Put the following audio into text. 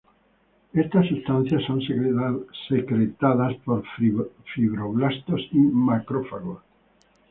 Estas sustancias son secretadas por fibroblastos y macrófagos.